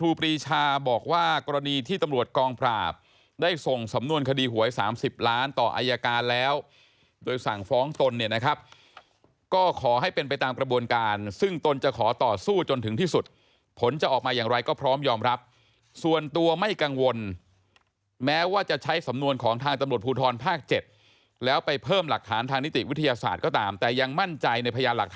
ปรีชาบอกว่ากรณีที่ตำรวจกองปราบได้ส่งสำนวนคดีหวย๓๐ล้านต่ออายการแล้วโดยสั่งฟ้องตนเนี่ยนะครับก็ขอให้เป็นไปตามกระบวนการซึ่งตนจะขอต่อสู้จนถึงที่สุดผลจะออกมาอย่างไรก็พร้อมยอมรับส่วนตัวไม่กังวลแม้ว่าจะใช้สำนวนของทางตำรวจภูทรภาค๗แล้วไปเพิ่มหลักฐานทางนิติวิทยาศาสตร์ก็ตามแต่ยังมั่นใจในพยานหลักฐาน